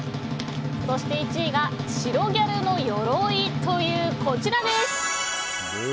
そして１位が、白ギャルのよろいというこちらです。